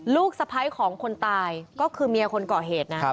ลูกสะพ้ายของคนตายก็คือเมียคนก่อเหตุนะ